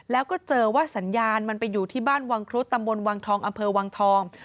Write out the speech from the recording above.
แล้วก็เจอว่าสัญญาณมันไปอยู่ที่บ้านวังครุฑตำบลวังทองอำเภอวังทอง